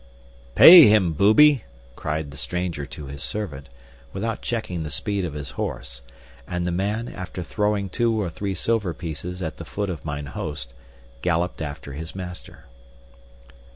"Pay him, booby!" cried the stranger to his servant, without checking the speed of his horse; and the man, after throwing two or three silver pieces at the foot of mine host, galloped after his master.